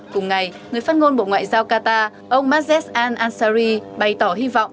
cùng ngày người phát ngôn bộ ngoại giao qatar ông mazes al ansari bày tỏ hy vọng